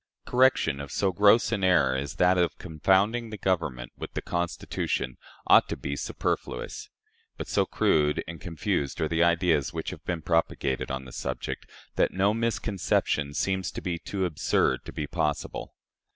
Correction of so gross an error as that of confounding the Government with the Constitution ought to be superfluous, but so crude and confused are the ideas which have been propagated on the subject, that no misconception seems to be too absurd to be possible.